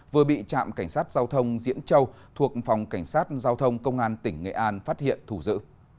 vừa bị trạm cảnh sát giao thông diễn châu thuộc phòng cảnh sát giao thông công an tỉnh nghệ an phát hiện thủ giữ